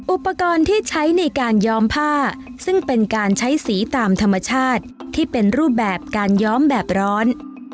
อุปกรณ์ที่ใช้ในการย้อมผ้าซึ่งเป็นการใช้สีตามธรรมชาติที่เป็นรูปแบบการย้อมแบบร้อน